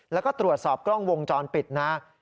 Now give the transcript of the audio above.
แล้วก็ตรวจสอบกล้องวงจรปิดนะครับ